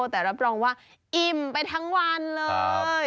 แต่รับรองว่าอิ่มไปทั้งวันเลย